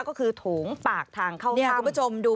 ก็คือโถงปากทางเข้าห้ำ